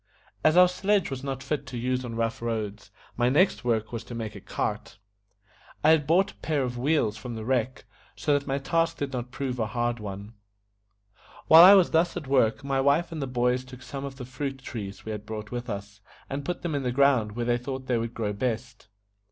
As our sledge was not fit to use on rough roads, my next work was to make a cart. I had brought a pair of wheels from the wreck, so that my task did not prove a hard one. While I was thus at work, my wife and the boys took some of the fruit trees we had brought with us, and put them in the ground where they thought they would grow best.